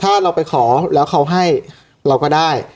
ถ้าเราไปขอแล้วเขาให้เราก็ได้